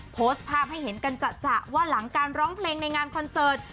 โพสต์ภาพให้เห็นกันจัดว่าหลังการร้องเพลงในงานคอนเสิร์ต